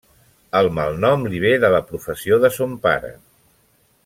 El malnom li ve de la professió de son pare.